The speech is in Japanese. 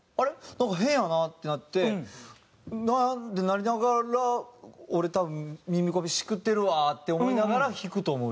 なんか変やなってなってああってなりながら俺多分耳コピしくってるわって思いながら弾くと思う。